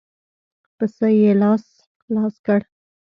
پسه يې لاس لاس کړ.